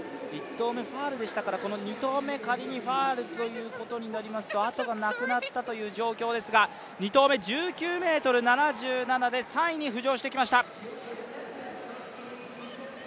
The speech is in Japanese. １投目ファウルでしたから、２投目仮にファウルということになりますとあとがなくなったという状況ですが、２投目、１９ｍ７７で３位に浮上してきました。